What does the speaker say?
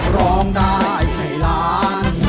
ร้องได้ให้ล้าน